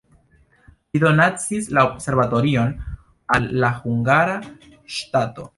Li donacis la observatorion al la hungara ŝtato.